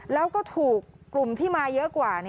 แล้วก็ถูกกลุ่มที่มาเยอะกว่า